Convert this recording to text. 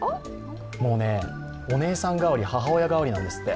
お姉さん代わり、母親代わりなんですって。